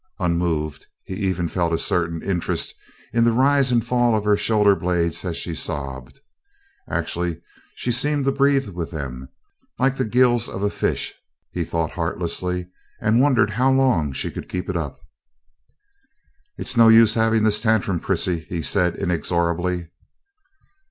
Unmoved, he even felt a certain interest in the rise and fall of her shoulder blades as she sobbed. Actually, she seemed to breathe with them "like the gills of a fish," he thought heartlessly and wondered how long she could keep it up. "It's no use having this tantrum, Prissy," he said inexorably.